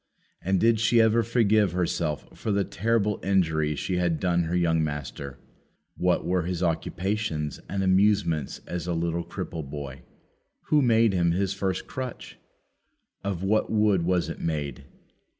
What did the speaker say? And did she ever forgive herself for the terrible injury she had done her young master? What were his occupations and amusements as a little cripple boy? Who made him his first crutch? Of what wood was it made?